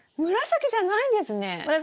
紫じゃないんです。